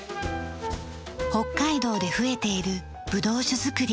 北海道で増えているぶどう酒造り。